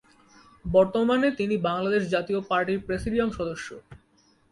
বর্তমানে তিনি বাংলাদেশ জাতীয় পার্টির প্রেসিডিয়াম সদস্য।